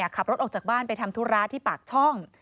ขับรถออกจากบ้านไปทำธุระที่ปากช่อง